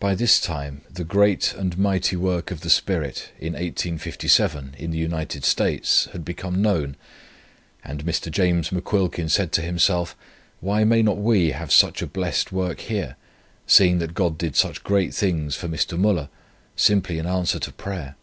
By this time the great and mighty working of the Spirit, in 1857, in the United States, had become known, and Mr. James McQuilkin said to himself, 'Why may not we have such a blessed work here, seeing that God did such great things for Mr. Müller, simply in answer to prayer.'